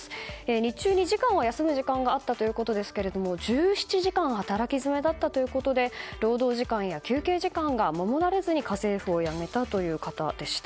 日中２時間は、休む時間があったということですが１７時間働き詰めだったということで労働時間や休憩時間が守られずに家政婦を辞めたという方でした。